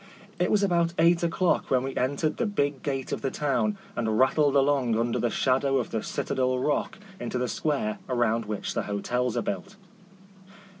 It was about eight o'clock when we entered the big gate of the town, and rattled along under the shadow of the citadel rock into the square around which the hotels are built.